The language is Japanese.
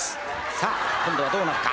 さあ今度はどうなるか？